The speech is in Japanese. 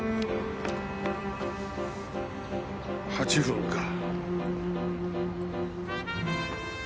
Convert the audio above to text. ８分か。